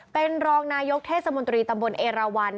เป็นรองนายกเทศมนตรีตำบลเอราวัน